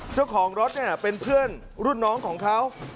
เจ้าของรถเนี่ยเป็นเพื่อนรุ่นน้องของเขา